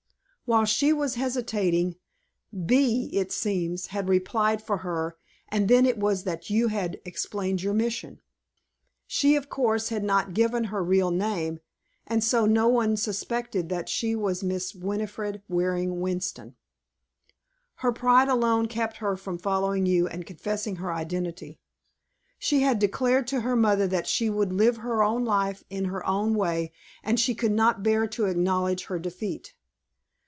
"While she was hesitating, Bee, it seems, had replied for her, and then it was that you had explained your mission. She, of course, had not given her real name, and so no one suspected that she was Miss Winifred Waring Winston. "Her pride alone kept her from following you and confessing her identity. She had declared to her mother that she would live her own life in her own way, and she could not bear to acknowledge her defeat.